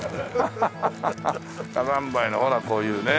火山灰のほらこういうねえ。